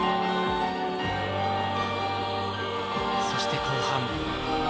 そして後半。